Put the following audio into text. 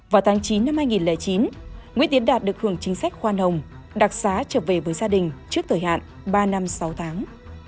vào tháng chín năm hai nghìn chín nguyễn tiến đạt được hưởng chính sách khoan hồng đặc xá trở về với gia đình trước thời hạn ba năm sáu tháng